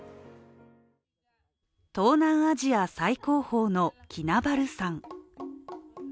東南アジア最高峰のキナバル山。